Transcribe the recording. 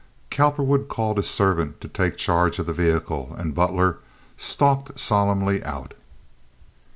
Cowperwood called his servant to take charge of the vehicle, and Butler stalked solemnly out.